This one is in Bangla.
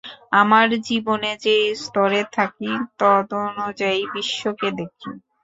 আমরা জীবনের যে স্তরে থাকি, তদনুযায়ী বিশ্বকে দেখি।